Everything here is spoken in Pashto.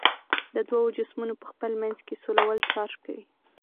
د دوو جسمونو په خپل منځ کې سولول چارج کوي.